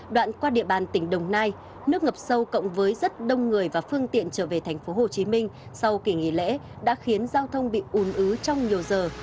đoạn qua địa bàn tỉnh đồng nai nước ngập sâu cộng với rất đông người và phương tiện trở về thành phố hồ chí minh sau kỷ nghỉ lễ đã khiến giao thông bị ùn ứ trong nhiều giờ